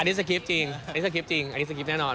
อันนี้สคริปต์จริงอันนี้สคริปต์จริงอันนี้สคริปแน่นอน